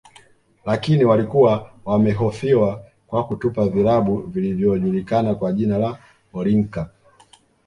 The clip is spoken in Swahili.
Lakini walikuwa wamehofiwa kwa kutupa vilabu vilvyojulikana kwa jina la orinka